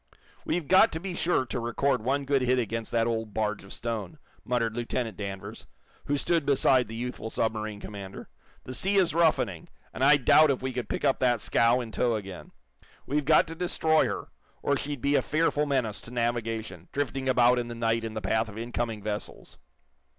"We've got to be sure to record one good hit against that old barge of stone," muttered Lieutenant Danvers, who stood beside the youthful submarine commander. "The sea is roughening, and I doubt if we could pick up that scow in tow again. We've got to destroy her, or she'd be a fearful menace to navigation, drifting about in the night in the path of incoming vessels."